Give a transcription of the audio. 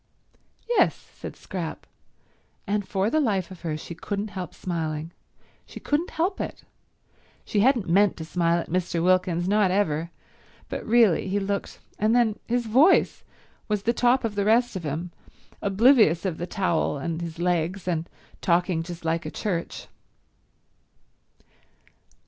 "Yes," said Scrap; and for the life of her she couldn't help smiling. She couldn't help it. She hadn't meant to smile at Mr. Wilkins, not ever; but really he looked—and then his voice was the top of the rest of him, oblivious of the towel and his legs, and talking just like a church.